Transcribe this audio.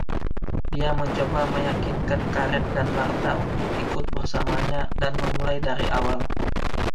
Dia mencoba meyakinkan Karen dan Martha untuk ikut bersamanya dan memulai dari awal.